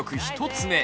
１つ目。